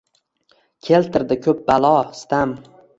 Keltirdi ko’p balo, sitam